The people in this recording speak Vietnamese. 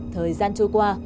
thời gian trôi qua